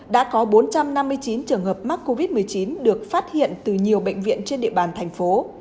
đã có bốn trăm năm mươi chín trường hợp mắc covid một mươi chín được phát hiện từ nhiều bệnh viện trên địa bàn thành phố